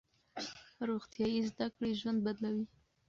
روغتیايي زده کړې ژوند بدلوي.